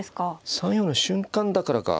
３四歩の瞬間だからか。